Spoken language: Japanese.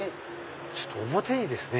ちょっと表にですね。